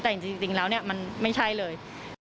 แต่จริงแล้วเนี่ยมันไม่ใช่เลย